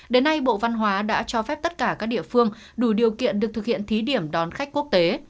đến nay bộ văn hóa đã cho phép tất cả các địa phương đủ điều kiện được thực hiện thí điểm đón khách quốc tế